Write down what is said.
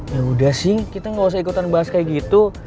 yaudah sih kita gak usah ikutan bahas kayak gitu